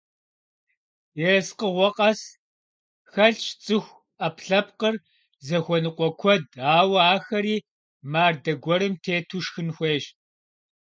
Ерыскъыгъуэ къэс хэлъщ цӀыху Ӏэпкълъэпкъыр зыхуэныкъуэ куэд, ауэ ахэри мардэ гуэрым тету шхын хуейщ.